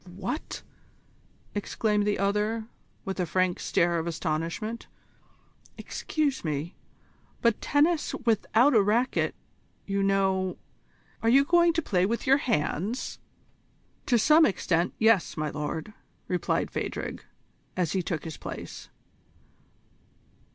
"What!" exclaimed the other, with a frank stare of astonishment. "Excuse me, but tennis without a racquet, you know are you going to play with your hands?" "To some extent, yes, my lord," replied Phadrig, as he took his place.